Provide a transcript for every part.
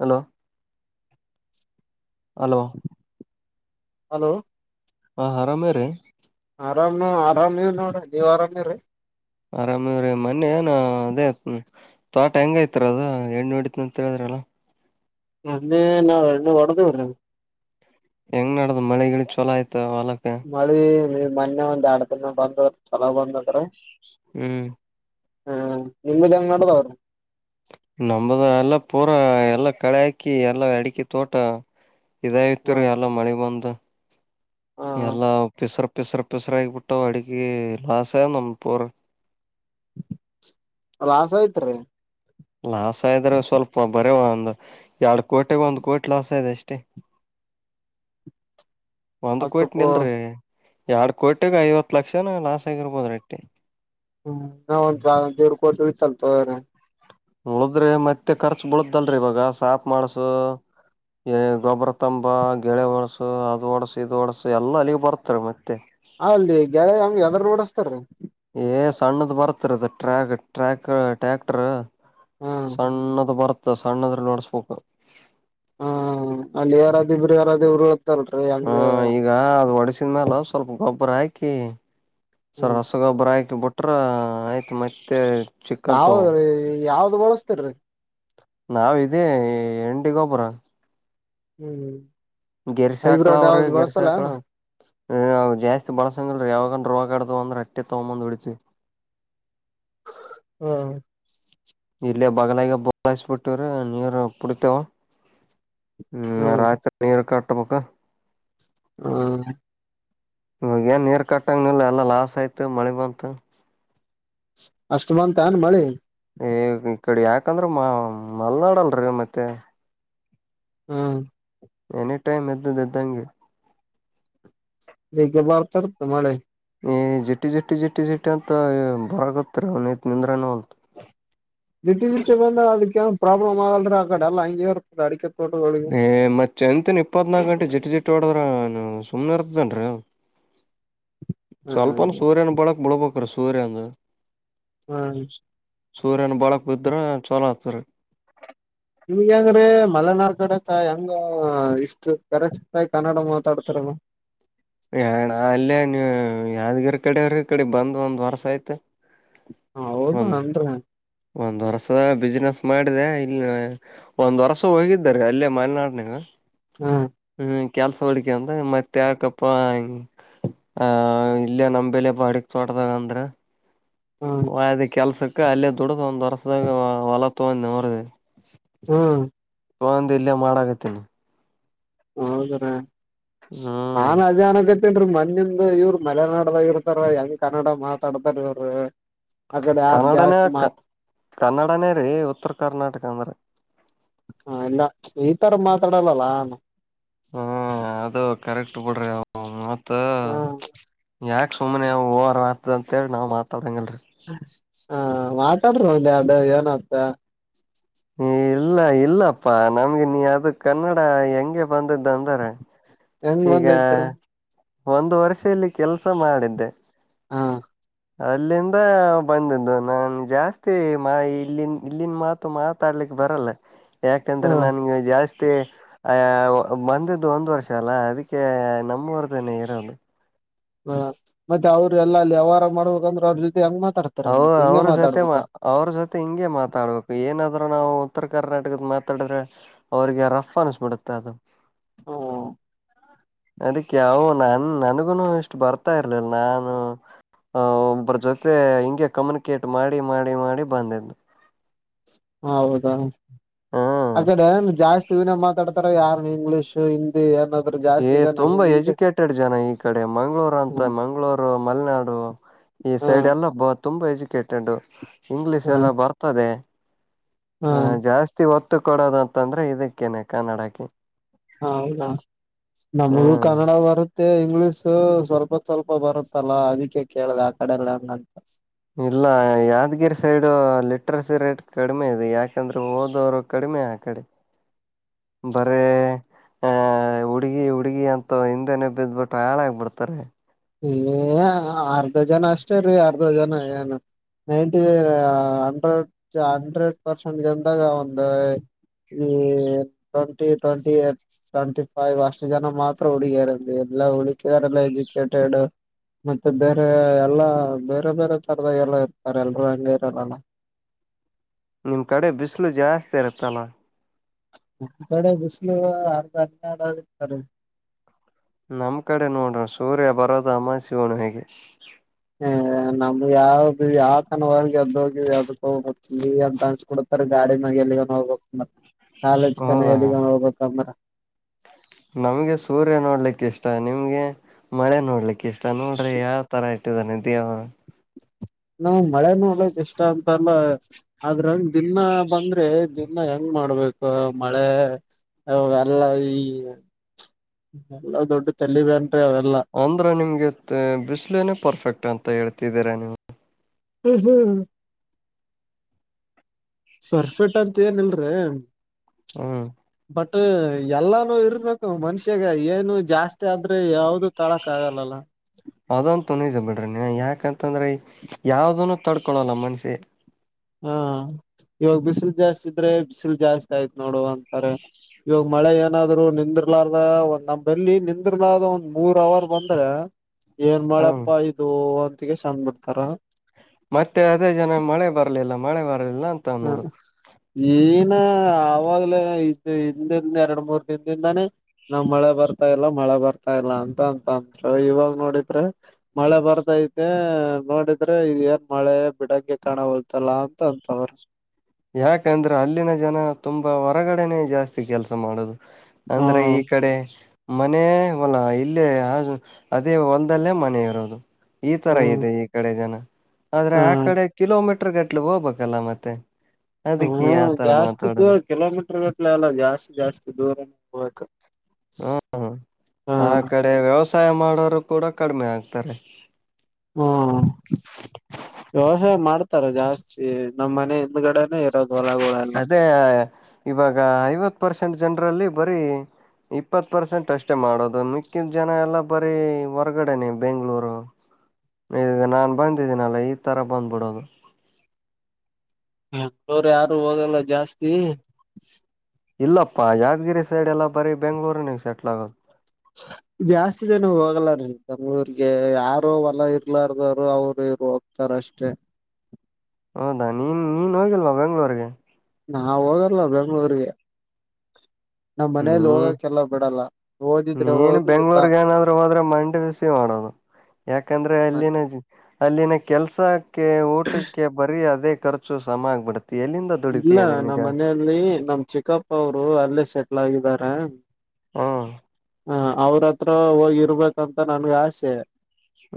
Hello. Hello. Hello ಹಾ ಆರಾಮೇ ರೀ. ಆರಾಮ್ ನೀ ಆರಾಮ್ ನೀವ ನೋಡ್ರಿ ನೀವ್ ಆರಾಮಿ್ರರಿ. ಆರಾಮ್ರೀ ಮನ್ನಿ ಏನ ಅದೇ ತೋಟ ಹೆಂಗ ಐತ್ರ ಅದ ಎಣ್ಣ ನೋಡತ್ ಅಂತ ಹೇಳಿದ್ರ. ಚಲೋ. ಅ್ಣನ್ನ ಎಣ್ಣ ಕೊಡದ ಬರ. ಹೆಂಗ್ ನಡ್ದ ಮಳೆಿ ಚಲ ಆಯ್ತು. ಮಳಿ ನೀ ಮೊನ್ನೆ ಒಂದ್ ಎರಡು ದಿನ ಬಂದದ ಚಲೋ ಬಂದದ್ರ. ಹ್ಮ್. ಹಾ ನಿಮ್ಮಂಗಡ ತರ. ನಂಬದ ಎಲ್ಲ ಪೂರಾ ಎಲ್ಲ ಕಳೆ ಹಾಕಿ ಎಲ್ಲಾ ಅಡಿಕಿ ತೋಟ. ಇದ ಹ ಇತ್ತು ರೀ ಎಲ್ಲ ಮಳಿ ಬಂದು. ಎಲ್ಲ ಪಸರ. ಪಿಸರು ಪಿಸರು ಆಗಬಿಟ್ಟ ಅಡುಗೆ ಲಾಸ್ ನಮ್ಮಪೂರ್. ಲಾಸ ಆಯ್ತ್ ರೀ. ಲಾಸ್ ಆದಯ್ರೆ ಸ್ವಲ್ಪ ಬರೇವಾ ಒಂದು ಎರಡ್ ಕೋಟಿಗ ಒಂದು್ ಕೋಟಿ ಲಾಸ್ ಆಯದೆ ಅಷ್ಟೇ. ಒಂದ್ ಕೊಯಟ್ ಅಷ್ಟಕ್ಕೂ ನಿಲ್ರಿ. ಎರಡ್ ಕೋಟಿಗ ಐವತ್ತು ಲಕ್ಷನ ಲಾಸ್ ಆಗಿರ್ಬೋದ ರೆಟ್ಟಿ. ಹ್ಮ್ ನಾವ ಒಂದ ಎಡು ಕೋಟಿ ಇತ್ತಲ್ ತ್ರ. ಉಳದ್ರಿ ಮತ್ತೆ ಖರ್ಚ ಬಳುದಲ್ರರಿ ಇವಾಗ ಸಾಫ ಮಾಡಸು. ಗೊಬ್ಬರ ತಂಬ ಗೆಳೆ ಒಡಸು ಅದ ಓಡಸ ಇದ ಓಡಸು ಎಲ್ಲ ಅಲ್ಲಿಗೆ ಬರ್ತಾರೆ ಮತ್ತೆ. ಅಲ್ರಿ ಗೆಳೆ ಹಂಗಗೆ ಎದಾರ್ ನೋಡಸ್ತಾರೀ ಏ ಸಣ್ಣದ ಬರ್ತರದ ಟ್ರ್ಯಾ ಟ್ರ್ಯಾ ಟ್ಯಾಕ್ಟರ್ ಹ್ಮ್ ಸಣ್ಣದ ಬರುತ್ತ ಸಣ್ಣದ್ರ ನೋಡ್ಸ್ಬೇಕು ಹಾ ಅಲ್ಲಿ ಯಾರಾದ ಇಬ್ರು ಯಾರಾದ ಇರು ಹ್ಮ ಈಗ ಅದು್ ಒಡೆಸಿದ ಮೇಾಲ ಸ್ವಲ್ಪ ಗೊಬ್ಬರ ಹಾಕಿ ಸರ್ ಹ್ಮ್ ಹೊಸ ಗೊಬ್ಬರ ಹಾಕಿ ಬಿಟ್ಟ ಪಟ್ರ ಆಯ್ತು ಮತ್ತೆ ಚಿಕ್ಕಂತವು ಯಾವದ್ರೀ ಯಾವ್ದ್ ಬಳಸ್ತರೀ ನಾವ ಇದೇ ಎನ್ ಟಿ ಗೋಬುರ ಹ್ಮ್ ಹ್ಮ್ ಗೆರ್ಸಾಕಳ ಹೈಬ್ರಿಡ್ ಅವ್ರೀ ಯಾವ್ದ್ ಬಳಸಲ್ಲ ಗೆರ್ಸಾಕಳ ಏನ್ರಿ ಜಾಸ್ತಿ ಬಳಸಂಗಲ್ೀ ಯಾವಾಗ ರೋಗಡದುಂದ ರಟ್ಟಿ ತೋಮಂದು ಬಿಡಚು ಹ್ಮ್ ಇಲ್ಲ ಬಗಲಿಗೆ ಬಲಾಯಸ್ಬಿಟ್ಟವ್ರ ನೀರು ಪುಡ್ತೇವ ಹ್ಮ್ ರ ಆಾತ್ರಿ ನೀರ ಅಟಪೊಕ್ಕ ಹ್ಮ ಇವಾಗ ಏನ್ ನೀರು ಕಟ್ಟಂಗನಿಲ್ಲ ಎಲ್ಲ ಲಾಸ್ ಆಯ್ತು ಮಳೆ ಬಂತು ಅಷ್ಟ ಬಂತ ಏನ್ ಮಳಿ ಈ ಈ ಕಡೆ ಯಾಕಂದ್ರೆ ಮಾ ಮಲ್ನಾಡ ಅಲ್ರರಿ ಮತ್ತೆ ಹ್ಮ ಎನಿಟೈಮ್ ಎ್ದದು್ದಗೆ ಬೆೇಗ್ಗ ಬರ್ತರ್ತ ಮಳೆ ಏ್ ಜಟ್ಟಿ ಜಟ್ಟಿ ಜಟ್ಟಿ ಜಟ್ಟಿ ಅಂತ ಬರಗತ್ತರ ಅವನಐತ್ ನಿಂದ್ರನಂತ ದಿಟ್ಟ ದಿಟ್ಟಿ ಬಂದ್ರ ಅದ ಏನ್ ಪ್ರಾಬ್ಲಮ ಆಗಲ್್ರ ಆ ಕಡೆ ಎಲ್ಲ ಹಂಗೆರ್ ಅಡ ಏ ಮತ್ತೆ ಎಂತನ್ ಇಪ್ಪತ್ನಾಾಕ ಗಂಟೆ ಜಟ್ಟ ಜಿಟ್ಟ ಹೊಡದ್ರ ಹ ಸುಮ್ನೆ ಇರ್ತದನ್ರಿೀ ಹ ಸ್ವಲ್ಪ ಸೂರ್ಯನ ಬಳಕ್ ಬಿಳ್ಬ ಪ್ರಸೂರಂದ ಹ್ಮ ಸೂರ್ಯನ ಬಳಕ್ ಬಿದ್ರೆ ಚಲೋ ಆತರಿ ನಿಮ್ಗೆ ಹೆಂಗ್ರೀ ಮಲೆನಾಾರ್ ಕಡೆ ತಾಯಿ ಹಂಗ ಇಷ್ಟು ಕರೆಕ್ ಕಾಯ್ ಕನ್ನಡ ಮಾತ್ ತಡ ಚಡಮ ಯಣ ಅಲ್ಲೇ ನೀ ಯಾವ್ದಗರ್ ಕಡವ್ರ ಕಡೆ ಬಂದ್ ಒಂದ್ ವರ್ಸ ಆಯ್ತ ಹೌದಾ ಅಂದ್ರ ಒಂದ್ ವರ್ಷದ ಬಿಸ್ನೆಸ್ ಮಾಡಿದೆ ಇ ಒಂದ್ ವರ್ಷ ಹೋಗಿದ್ದರು ಅಲ್ಲೇ ಮಲೆನಾಡನಾಗ ಹ್ಮ್ ಕೆಲ್ಸ ಹೋಡಿಕೆ ಅಂದ್ರ ಮತ್ತೆ ಯಾಕಪ್ಪ ಹಂಗ ಆ ಇಲ್ಲ ನಮ ಬೆಲೆ ಬಾಡಕ್ ತೋಟದಾಗ ಅಂದ್ರ ಹ್ಮ್ ವದ ಕೆಲ್ಸಕ್ಕೆ ಅಲ್ಲೇ ದುಡ್ಡ್ದ ಒಂದ್ ವಸದಾಗ ಹೊಲ ತಗೊಂಡರಿದೆ ಹ್ಮ್ ಒಂದು ಇಲ್ಲ ಮಾಡಾಗತ್ತೇನೆ. ಹೌದ್ರೀ ನಾ ಹ್ಮ್ ಅದನ ಗತ್ತೇನ್ರಿೀ ಮನ್. ಇನ್ನಿಂದ ಇವರು ಮಲೆನಾಡದಾಗ ಇರ್ತಾರ ಹೆಂಗ ಕನ್ನಡ ಮಾತಾಡ್ತಾರ ಇವರು. ಕನ್ನಡನೇ ಕ ಕನ್ನಡನೇ ರೀ ಉತ್ತರ ಕರ್ನಾಟಕ ಅಂದ್ರ. ಹಾ ಇಲ್ಲ ಈ ತರ ಮಾತಾಡಲ್ಲಲ್ಲ. ಹ್ಮ ಅದು ಕರೆಕ್ಟ್ ಬಿಡ್ರಿ ಮತ್ತ. ಹ ಯಾಕ ಸುಮ್ಮ್ನೆವು ಓವರ್ ಆತದ ಅಂತೇಳಿ ನಾವ್ ಮಾತಾಡಂಗಲ್ರರಿ. ಹ ಮಾತಾಡ್ರಿ ಒಂದ ಎರಡು ಏನಂತ. ಹ ಇಲ್ಲ ಇಲ್ಲಪ್ಪಾ ನಮ್ಗೆ ನೀ ಅದು ಕನ್ನಡ ಹೆಂಗೆ ಬಂದಿದ್ದ ಅಂದರೆ. ಹೆಂಗ್ ಬಂದಐ್ತಾರ. ಒಂದು ವರ್ಷ ಇಲ್ಲಿ ಕೆಲ್ಸ ಮಾಡಿದ್ದೆ. ಹಾ. ಅಲ್ಲಿಂದ ಬಂದಿದ್ದು ನನ್ು ಜಾಸ್ತಿ ಮಾ ಇಲ್ಲಿನ್ ಇಲ್ಲಿನ್ ಮಾತು ಮಾತಾಡ್ಲಿಕ್ಕೆ. ಬರಲ್ಲ ಹಾ ಯಾಕಂದ್ರೆ ನನ್ಗೆ ಜಾಸ್ತಿ ಆ ಬಂದು ಒಂದ್ ವರ್ಷ. ಅಲ್ಲ ಅದಕ್ಕೆ ನಮ್ಮಊರ್ದನ್ನೆ ಇರೋದು. ಹ ಮತ್ತೆ ಅವರು ಎಲ್ಲಾ ವ್ಯವಹಾರ ಮಾಡ್ಬೇಕಂದ್ರೆ ಅವ್ರ ಜೊತೆ ಹೆಂಗತ್ರ. ಅವ ಅವ್ರ ಜೊತೆ ಮಾ ಅವ್ರ ಜೊತೆ ಹಿಂಗೆ ಮಾತಾಡ್ಬೇಕು ಏನಾದ್ೂ ನಾವು. ಉತ್ತರ ಕರ್ನಾಟಕದ ಮಾತಾಡಿದ್ರೆ ಅವ್ರಿಗೆ ರಫ ಅನ್ಸ್ಬಿಡುತ್ತೆ ಅದು. ಹಓ. ಅದಕ್ಕೆ ಯ ನನ್ ನನ್ಗುನು ಇಷ್ಟು ಬರ್ತಾ ಇರ್ಲಿಲ್ಲ ನಾನು. ಆ ಒಬ್ಬ್ರ ಜೊತೆ ಹಿಂಂಗಗೆ ಕಮ್ಯುನಿಕೇಟ್ ಮಾಡಿ ಮಾಡಿ ಮಾಡಿ ಬಂದ. ಹೌದಾ ಹಾ ಆ ಕಡೆ ಜಾಸ್ತಿ ವಿನ ಮ. ಮಾತಾಡ್ತಾರೆ ಯಾರು ಇಂಗ್ಲೀಷ್ ಹಿಂದಿಏ. ಏ ತುಂಬಾ ಎಜುಕೇಟೆಡ್ ಜನ ಈ ಕಡೆ ಮಂಗ್ಳೂರ್ ಅಂತ ಹಾ ಮಂಗ್ಗಳೂರು ಮಲೆನಾಡು. ಈ ಸೈಡ್ ಹಾ ಎಲ್ಲ ಬ ತುಂಬಾ ಎಜುಕೇಟೆಡ್ ಇಂಗ್ಲಿೀಷ್ ಎಲ್ಲ ಬರ್ತದೆ. ಹಾ ಹ ಜಾಸ್ತಿ ಒತ್ತು ಕೊಡೋದು ಅಂತಂದ್ರೆ ಇದಕ್ಕೇನೆ ಕನ್ನಡಕ್ಕೆ. ಹ ಹೌದಾ ನಮಗೂ ಹ್ಮ್ ಕನ್ನಡ ಬರುತ್ತೆ ಇಂಗ್ಲಿಷ್. ಸ್ವಲ್ಪ ಸ್ವಲ್ಪ ಬರುತ್ತಲ್ಲಾ ಅದಕ್ಕೆ ಕೇಳ್ದ ಆ ಕಡಲ್ಲ ಹಂಗಂತ. ಇಲ್ಲ ಯಾದಗಿರಿ ಸೈಡು ಲಿಟ್ರಸಿ ರೇಟ್ ಕಡಿಮೆ ಇದೆ ಯಾಕಂದ್ರೆ ಹಓದವರು ಕಡಿಮೆ. ಕಡೆ ಬರ. ಆಹ ಹುಡುಗಿ ಹುಡ್ಗಿ ಅಂತ ಹಿಂದೆನೆ ಬಿದ್ಬಿಟೆ ಹಾಳಾಗಬಿಡ್ತಾರೆ. ಏ ಅರ್ಧ ಜನ ಅಷ್ಟೇ ರೀ ಅರ್ಧ ಜನ ಏನ. ನೈನ್ಟಿ ಹಂಡ್ರೆಡ್ ಹಂಡ್ರೆಡ್ ಪರ್ಸೆಂಟ್ ಗಂದಾಗ ಒಂದು. ಈ ಟ್ಂಟಿ ಟ್ವೆಂಟಿ ಏಟ್. ಟ್ವೆಟಿಫೈವ್ ವರ್ಷ ಜನ ಮಾತ್ರ ಉಳಾರ ಎಲ್ಲ ಉಳಲ್ಲ ಎಜುಕಡ್. ಮತ್ತೆ ಬೇರೆ ಎಲ್ಲ ಬೇರೆ ಬೇರೆ ತರದಾಗ ಎಲ್ಲ ಇರ್ತಾರೆ ಎಲ್ರುೂ ಹಗೆ ಇರಲ್ಲಲ್ಲ. ನಿಮ್ ಕಡೆ ಬಿಸಿಲು ಜಾಸ್ತಿ ಇರುತ್ತಲ್ಲ. ಒ ಕಡೆ ಬಿಸಿಲು ಅರ್ಧ ಅಡರ್ತಾರೆ. ನಮ್ ಕಡೆ ನೋಡ್ರ ಸೂರ್ಯ ಬರೋದ ಅಮ್ಮ ಶಿವಣ ಹೇಗೆ. ನಮ್ ಯಾವ ಯಾವ ತನವಗೆ ಅದೋಗಿ ಅದೋಗ ಅ ಅನ್ಬಡ. ಗಾಡಿನಾಗ ಎಲ್ಲಿಗೊಂಡ ಹೋಗ್ಬೇಕ ಅಂದ್ರ ಕಾಲೇಜ್ ಕನ ಹೌದಾ ಎಲ್ಲಿಗ ಹೋಗ್ಬೇಕಂದ್ರ. ನಮ್ಗೆ ಸೂರ್ಯ ನೋಡ್ಲಿಕ್ಕೆ ಇಷ್ಟ ನಿಮ್ಗೆ ಮಳೆ ನೋಡ್ಲಿಕ್ಕೆ ಇಷ್ಟ ನೋಡ್ರಿ ಯಾವ್ ತರ ಇ. ಹಟ್ಟೆದ ನಿ ತಹ. ನಾವ್ ಮಳೆನೋಲಕ್ ಇಷ್ಟ ಅಂತಲ್ಲ ಆದ್ರ. ದಿನ ಬಂದ್ರೆ ದಿನ ಹೆಂಗ್ ಮಾಡ್ಬೇಕು ಮಳೆ ಅವಾಗ ಎಲ್ಲ ಈ. ಎಲ್ಲ ದೊಡ್ಡ ತಲ್ಲಿ ಬ. ಅಂದ್ರ ನಿಮ್ಗೆ ಬಿಸ್ಲನೆೇ ಪರ್ಫೆಕ್ಟ್ ಅಂತ ಹೇಳ್ತಿದ್ದೀರಾ ನೀವು. ಹ್ಮ್ ಹ್ಮ್. ಪರ್ಫೆಟ್ ಅಂತ ಏನಲ್ರರಿ. ಹ್ಮ. ಬಟ್ ಎಲ್ಲಾನು ಇರ್ಬೇಕು ಮನುಷ್ಯಾಗ ಏನು ಜಾಸ್ತಿ ಆದ್ರೆ ಯಾವ್ದು ತಳಕ್ ಆಗಲ್ಲಲ್ಲ ಅದಂತ ತನ ಬಿೇಡ್ರಿ ನೀ ಯಾಕಂತಂದ್ರೆ ಯಾವ್ದನು ತಡ್ಕೊಳಲ್ಲ ಮನ್ಸೆ ಹಾ ಇವಾಗ ಬಿಸಿಲು ಜಾಸ್ತಿ ಇದ್ರೆ ಬಿಸಿಲು ಜಾಸ್ತಿ ಆಯ್ತ್ ನೋಡು ಅಂತಾರೆ ಇವಾಗ ಮಳೆ ಏನಾದ್ರು ನಿಂದ್ರಲಾರ ಒ್ ನಮ್ಮ್ ಎಲ್ಲಿ ನಿಂದಿಲಾರ ಒ ಮೂರ್ ಅವರ್ ಬಂದ್ರೆ ಏನ್ ಹ ಮಾಡ್ಯಪ್ಪ ಇದು ಅಂತಗೆ ಚೆಂದ್ ಬಿಡ್ತಾರ ಮತ್ತೆ ಅದೇ ಜನ ಮಳೆ ಬರ್ಲಿಲ್ಲ ಮಳೆ ಬರಲಿಲ್ಲ ಅಂತ ಅನ್ನೋದು ಆವಾಗ್ಲ ಇದ ಹಿಂದಿಂದ ಎರಡ್ ಮೂರ್ ದಿನದಿಂದಾನೇ ನಾವ್ ಮಳೆ ಬರ್ತಾ ಇಲ್ಲ ಮಳೆ ಬರ್ತಾ ಇಲ್ಲ ಅಂತ ಅಂತ ಅಂದರು ಇವಾಗ ನೋಡಿದ್ರೆ ಮಳೆ ಬರ್ತೈತೆ ನೋಡಿದ್ರೆ ಇ ಏನ್ ಮಳೆ ಬಿಡಂಗೆ ಕಾಣಬಲ್ತಲ್ಲ ಅಂತ ಅಂತವರು ಯಾಕಂದ್ರೆ ಅಲ್ಲಿನ ಜನ ತುಂಬಾ ಹೊರಗಡೆನೆೇ ಜಾಸ್ತಿ ಕೆಲ್ಸ ಮಾಡುದು ಅಂದ್ರೆ ಹ್ಮ್ ಈ ಕಡೆ ಮನೆ ಹೊಲ ಇಲ್ಲೇ ಅದೇ ಒಂದಲ್ಲೇ ಮನೆ ಇರೋದು ಈ ತರ ಹ್ಮ್ ಇದೆ ಈ ಕಡೆ ಜನ ಆದ್ರೆ ಆ ಹ್ಮ್ ಕಡೆ ಕಿಲೋಮೀಟರ್ ಗಟ್ಲೆಗ್ ಹೋಗ್ಬೇಕಲ್ಲ ಮತ್ತೆ ಹ್ಮ ಅದಕ್ಕೆ ಆತರ ಜಾಸ್ತಿ ದೂರ ಮಾತಾಡೋದು ಕಿಲೋಮೀಟರ್ ಗಟ್ಲೆ ಎಲ್ಲ ಜಾಸ್ತಿ ಜಾಸ್ತಿ ದೂರನ ಹೋಗ ಹ್ಮ ಆ ಕಡೆ ವ್ಯವಸಾಯ ಮಾಡೋರು ಕೂಡ ಕಡಿಮೆ ಆಗ್ತಾರೆ ಹ್ಮ ವ್ಯವಸಾಯ ಮಾಡ್ತಾರ ಜಾಸ್ತಿ ನಮ್ಮ ಮನೆ ಹಿಂದಗಡೆ ಎರ ಭಲ ಗುಡಲ್ಲ ಅದೇ ಇವಾಗ ಐವತ್ ಪರ್ಸೆಂಟ್ ಜನರಲ್ಲಿ ಬರೀ ಇಪ್ಪತ್ ಪರ್ಸೆಂಟ್ ಅಷ್ಟೇ ಮಾಡೋದು ಮಿಕ್ಕಿದ ಜನ ಎಲ್ಲಾ ಬರೀ ಹೊರ್ಗಡೆನೆ ಬೆಂಗಳೂರು ಈಗ ನಾನ್ ಬಂದಿದ್ದೀನಲ್ಲ ಈ ತರ ಬಂದ್ಬಿಡೋದು ಹೋ್ರ ಯಾರು ಹೋಗಲ್ಲ ಜಾಸ್ತಿ ಇಲ್ಲಪ್ಪ ಯಾದಗಿರಿ ಸೈಡ್ ಎಲ್ಲಾ ಬರಿೀ ಬೆಂಗ್ಳೂರ್ ನೀವು ಸೆಟ್ಲ್ ಆಗದು ಜಾಸ್ತಿ ಜನ ಹೋಗಲ್ಲಾರೀ ತಮ್ಮೂರ್ಗೆ ಯಾರು ಹೊಲ ಇರ್ಲಾರದಾರರು ಅವ್ರು ಇರು ಹೋಗ್ತಾರ ಅಷ್ಟೇ ಹೌದಾ ನೀನ್ ನೀನ್ ಹೋಗಿಲ್ವಾ ಬೆಂಗ್ಗಳೂರ್ರಿಗೆ ನಾ ಹೋಗಲ್ಲ ಬೆಂಗಳೂರ್ಗೆ ನೀ ಓದಿದ್ರೆ ನೀನ್ ಓದು ಇಲ್ಲ ಬೆಂಗ್ಳೂರ್ಗ ಏನಾದ್ೂ ಹೋದ್ರೆ ಮಂಡಿ ಬಿಸಿ ಮಾಡೋದು ಯಾಕಂದ್ರೆ ಅಲ್ಲಿನ ಅಲ್ಲಿನ ಕೆಲ್ಸಕ್ಕೆ ಊಟಕ್ಕೆ ಬರೀ ಅದೇ ಖರ್ಚು ಸಮ ಆಗ್ಬಿಡತೆ ಇಲ್ಲ ನಮ್ಮ್ ಮನೆಯಲ್ಲಿ ನಮ ಚಿಕ್ಕಪ್ಪ ಅವರು ಅಲ್ಲೇ ಸೆಟ್ಲ್ ಆಗಿದಾರ ಹ್ಮ ಹ ಅವ್ರತ್ರ ಹೋಗಿರ್ಬೇಕಂತ ನನ್ಗೆ ಆಸೆ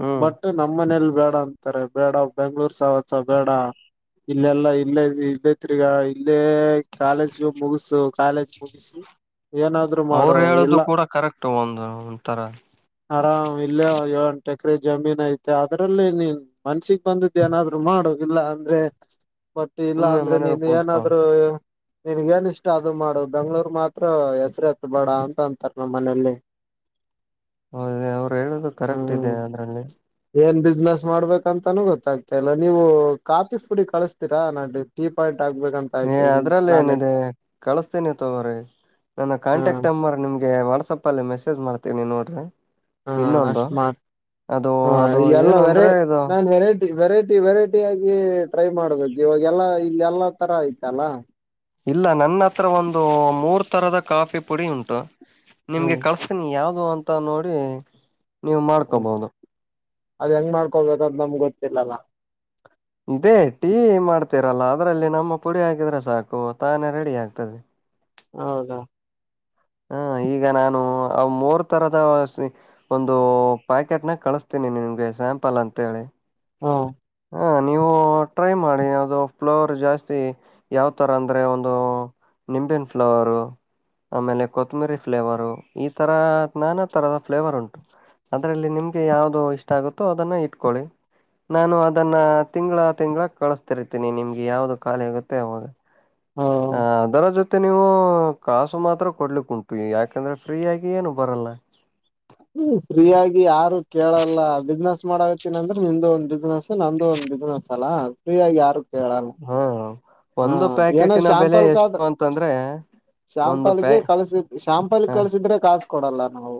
ಹ್ಮ್ ಬಟ್ ನಮ್ಮ ಮನೇಲಿ ಬೇಡ ಅಂತಾರೆ ಬೇಡ ಬೆಂಗ್ಳೂರ್ ಸಾವತ್ ಬೇಡ ಇಲ್ಲೆಲ್ಲಾ ಇಲ್ಲೇ ಇಲ್ಲೇತ್ರಿಗ ಇಲ್ಲೇ ಕಾಲೇಜು ಮುಗಸು ಕಾಲೇಜ್ ಮುಗಿಸಿ ಏನಾದ್ರು ಅವರು ಮಾಡು ಹೇಳುದು ಇಲ್ಲ ಕೂಡ ಕರೆಕ್ಟ್ ಒಂದು ಒಥರ ಆರಾಮ್ ಇಲ್ಲೇ ಏಳ್ಂಟ ಸಕರೆ ಜಮೀನ್ ಐತೆ ಅದ್ರಲ್ಲಿ ನೀನ್ ಮನ್ಸಿಿಗೆ ಬಂದಿದ್ದ್ ಏನಾದ್ರು ಮಾಡೋಗಿಲ್ಲ ಅಂದ್ರೆ ಬಟ್ ಇಲ್ಲ ಸುಮ್ನೆ ಅಂದ್ರೆ ಮನೇಲಿ ನೀನ್ ಕುೂತ್ಕೊ ಏನಾದ್ೂ ನಿನ್ಗೇನ್ ಇಷ್ಟ ಅದು ಮಾಡು ಬೆಂಗಳೂರ್ ಮಾತ್ರ ಹೆಸರು ಹತ್ ಬೇಡ ಅಂತ ಅಂತಾರ ನಮ್ಮ್ ಮನೇಲಿ ಹೌದೇ ಅವ್ರು ಹೇಳುದು ಕರೆಕ್ಟ್ ಇದೆ ಹ್ಮ್ ಅದ್ರಲ್ಲಿ ಏನ್ ಬಿಸ್ನೆಸ್ ಮಾಡ್ಬೇಕಂತಾನೂ ಗೊತ್ತಾಗ್ತಾ ಇಲ್ಲ ನೀವು ಕಾ ಫುಡಿ ಕಳಿಸತೀಾ ನ ಟೀ ಪಾಯಿಂಟ್ ಆಗ್ಬೇಕಂತ ಏ ಆಯ್ತ ಅದ್ರಲ್ಲ ಪ್ಲಾನ್ ಐತಿ ಏನಿದೆ ಕಳಸ್ತೀನಿ ತಗೋರಿಿ ನನ್ನ ಹ ಕಾಂಟ್ಯಾಕ್ಟ್ ನಂಬರ್ ನಿಮ ಗೆ ವಾಟ್ಸಪ್ ಅಲ್ಲಿ ಮೆಸೇಜ್ ಮಾಡ್ತೀನಿ ನೋಡ್ರಿ ಹಾ ಇನ್ನೊಂದು ಅಷ್ಟ್ಮಾ ಅದು ಹಾ ಅದು ಈಲ್ಲ ಏನು ವೆರೈ ಅಂದ್ರೆ ಇದು ನಾನ್ ವೆರೈಟಿ ವೆರೈಟಿ ವೆರೈಟಿ ಆಗ ಟ್ರೈ ಮಾಡ್ಬೇಕು ಇವಾಗ ಎಲ್ಲಾ ಇಲ್ಲಿ ಎಲ್ಲಾ ತರ ಐತಲ್ಲ ಇಲ್ಲ ನನ್ನ ಹತ್ರ ಒಂದು ಮೂರ್ ತರದ ಕಾಫಿ ಪುಡಿ ಉಂಟು ನಿಮ್ಗೆ ಹ್ಮ್ ಕಳ್ಸ್ತೀನಿ ಯಾವ್ದ ಅಂತ ನೋಡಿ ನೀವು ಹ್ಮ್ ಮಾಡ್ಕೋಬಹುದು ಅದ್ ಹೆಂಗ್ ಮಾಡ್ಕೊಳ್ಬೇಕ್ರ ನಮ್ಗೆ ಗೊತ್ತಿಲ್ಲಲ್ಲ ಇದೇ ಟೀ ಮಾಡ್ತೀರಲ್ಲ ಅದ್ರಲ್ಲಿ ನಮ್ಮ ಪುಡಿ ಹಾಕಿದ್ರೆ ಸಾಕು ತಾನೇ ರೆಡಿ ಆಗ್ತದೆ ಹೌದಾ ಹ ಈಗ ನಾನು ಅವ ಮೂರ್ ತರದ ಒಂದು ಪ್ಯಾಕೆಟ್ನಾಗ ಕಳಸ್ತೇನೆಿ ನಿಮಗೆ ಸ್ಯಾಂಪಲ್ ಅಂತ ಹೇಳಿ ಹಾ ಹಾ ನೀವು ಟ್ರೈ ಮಾಡಿ ಅದು ಫ್ಲವರ್ ಜಾಸ್ತಿ ಯಾವ ತರ ಅಂದ್ರೆ ಒಂದು ನಿಂಬೆನ್ ಫ್ಲವರು ಆಮೇಲೆ ಕೊತ್ತಂಬರಿ ಫ್ಲೇವರು ಈ ತರ ನಾನಾ ತರದ ಫ್ಲೇವರ್ ಉಂಟು ಅದ್ರಲ್ಲಿ ನಿಮ್ಗೆ ಯಾವ್ದು ಇಷ್ಟ ಆಗುತ್ತೋ ಅದನ್ನ ಇಟ್ಕೊಳ್ಳಿ ನಾನು ಅ. ಅದನ್ನ ತಿಂಗಳ ತಿಂಗಳ ಕಳಿಸತಿರ್ತೀನಿ ನಿಮ್ಗೆ ಯಾವ್ದ ಖಾಲಿಗುತ್ತೆ ಅವಾಗ ಹಾ ದರ ಜೊತೆ. ಮತ್ತೆ ನೀವು ಕಾಸು ಮಾತ್ರ ಕೊಡ್ಲಿಕ್ ಉಂಟು ಯಾಕಂದ್ರೆ ಫ್ರೀಯಗಿ ಏನು ಬರಲ್ಲ. ಹ್ಮ ಫ್ರೀ ಆಗಿ ಯಾರು ಕೇಳಲ್ಲ ಬಿಸ್ನೆಸ್. ಮಾಡತ್ತನ ಅಂದ್ರೆ ನಿಮ್ದು ಒಂದ ಬಿಸ್ನೆಸ್ ನಂದು ಒಂದ ಬಿಸ್ನೆಸ್ ಅಲ್ಲ ಫ್ರೀ ಆಗ ಯಾರು. ಕೇಳಲ್ಲ ಹಾ ಹ ಒಂದು ಏನೋ ಪ್ಯಾಕೆಟಿನ ಬೆಲೆ ಶಾಂಪಲ್ ಕಾದ ಎಷ್ಟು ಅಂತಂದ್ರೆ. ಒಂದು ಪ್ಯಾ ಶಾಂಪಲ್ಗೆ ಕಲ್ಸಿದ ಶಾಂಪಲ್ ಹ ಕಲ್ಸಿದ್ರೆ ಕಾಸ ಕೊಡಲ್ಲ ನಾವು.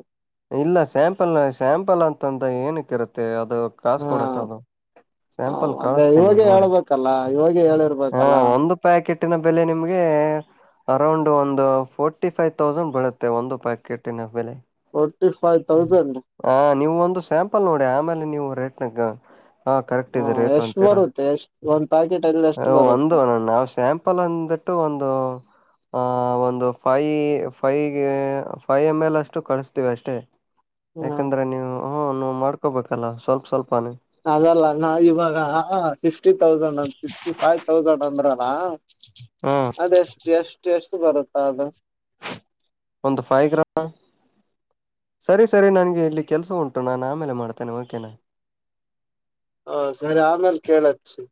ಇಲ್ಲ ಸ್ಯಾಂಪಲ್ ಸ್ಯಾಂಪಲ್ ಅಂತಂದ ಏನಕ್ಕಿರುತ್ತೆ ಅ. ಅದು ಕಸ್ ಹಾ ಕೊಡಕ್ದು ಸ್ಯಾಂಪಲ್ ಅದೇ ಕಳಸ್ತೇನಿ ಇವಾಗೆ ನೋಡಿ. ಹೇಳ್ಬೇಕಲ್ಲ ಇವಾಗೆ ಹಾ ಹೇಳಿರ್ಬೇಕಲ್ಲ ಒಂದು ಪ್ಯಾಕೆಟ್ಿನ ಬೆಲೆ ನಿಮ್ಗೆ. ಅರೌಂಡ್ ಒಂದು ಫೋರ್ಟಿ ಫೈವ್ ತೌಸಂಡ್ ಬರುತ್ತೆ ಒಂದು ಪ್ಯಾಕೆಟ್ಿನ ಬೆಲೆ. ಫೋರ್ಟಿ ಫೈವ್ ತೌಸಂಡ್ ಹ ನೀವು ಒಂದು ಸ್ಯಾಂಪಲ್ ನೋಡಿ ಆಮೇಲೆ ನೀವು ರೇಟ್ನಾಗ. ಹಾ ಕರೆಕ್ಟ್ ಹ್ಮ ಇದ ರ ಏಟ್ು ಎಷ್ಟ್ ಅಂತೀರಾ. ಬರುತ್ತೆ ಎಷ್ಟ್ ಒಂದ್ ಪ್ಯಾಕೆಟ್ ಅಲ್ಲಿ ಅ ಎಷ್ಟು ಒಂದು ಬರುತ್ತಾ ನಾವವು ಸ್ಯಾಂಪಲ್ ಅಂದಟ್ಟು ಒಂದು. ಆ ಒಂದು five five five M L ಅಷ್ಟು ಕಳಿಸ್ತೀವಿ ಅಷ್ಟೇ. ಹ್ಮ ಯಾಕಂದ್ರೆ ನೀವು ಹ ಮಾಡ್ಕೋಬೇಕಲ್ಲ ಸ್ವಲ್ಪ ಸ್ವಲ್ಪ. ಅದಲ್ಲ ನಾ ಇವಾಗ ಹ ಿೌಸ್ ಅ ಫಿಫ್ಟಿ ಫೈವ್ ತೌಸಂಡ್ ಅಂದ್ರಲ್ಲ ಹಾ ಅದೆಷ್ಟು ಎಷ್ಟು ಎಷ್ಟು. ಬರುತ್ತಾ ಅದು. ಒಂದು ಫೈ ಗ್ರಾಮ. ಸರಿ ಸರಿ ನನಗೆ ಇಲ್ಲಿ ಕೆಲಸ ಉಂಟು ನಾನು ಆಮೇಲೆ ಮಾಡ್ತೇನೆ ಓಕೆನಾ. ಹ ಸರಿ ಆಮೇಲ್ ಕೇಳಚ್ಚು.